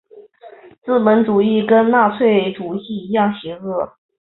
资本主义跟纳粹主义一样邪恶。